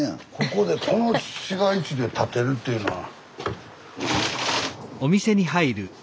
ここでこの市街地で建てるっていうのは。